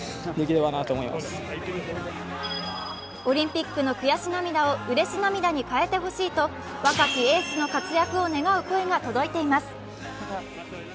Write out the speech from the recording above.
オリンピックの悔し涙をうれし涙に変えてほしいと若きエースの活躍を願う声が届いています。